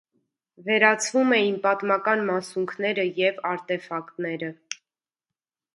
Վերացվում էին պատմական մասունքները և արտեֆակտները։